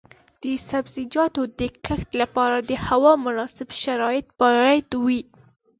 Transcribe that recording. د سبزیجاتو د کښت لپاره د هوا مناسب شرایط باید وي.